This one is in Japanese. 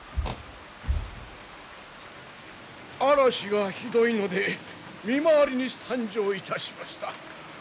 嵐がひどいので見回りに参上いたしました。